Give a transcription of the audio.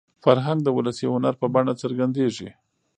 فرهنګ د ولسي هنر په بڼه څرګندېږي.